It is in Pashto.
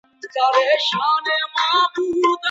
د ليوني طلاق صحت نلري؛ ځکه د ليوني اهليت له منځه تللی دی.